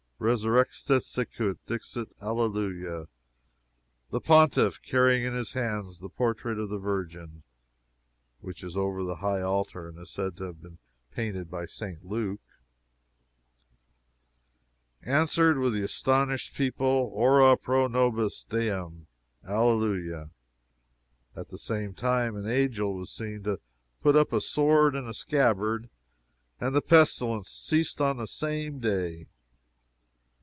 resurrexit sicut dixit; alleluia!' The Pontiff, carrying in his hands the portrait of the Virgin, (which is over the high altar and is said to have been painted by St. Luke,) answered, with the astonished people, 'Ora pro nobis Deum, alleluia!' At the same time an angel was seen to put up a sword in a scabbard, and the pestilence ceased on the same day.